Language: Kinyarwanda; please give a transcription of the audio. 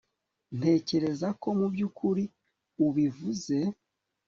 Ndatekereza ko mubyukuri ubivuze